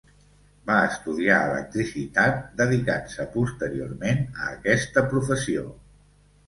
Va estudiar electricitat, dedicant-se posteriorment a aquesta professió.